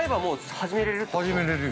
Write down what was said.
◆始めれるよ。